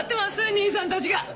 兄さんたちが。